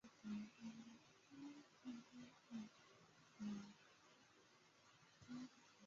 橙色丝带藓为蔓藓科丝带藓属下的一个种。